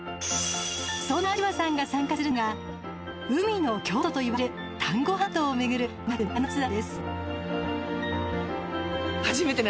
そんな阿知波さんが参加するのが海の京都といわれる丹後半島を巡る２泊３日のツアーです。